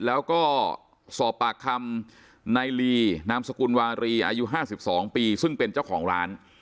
แล้วก็สอบปากคำในลีนามสกุลวารีอายุ๕๒ปีซึ่งเป็นเจ้าของร้าน